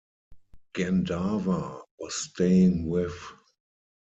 Gandharva was staying with.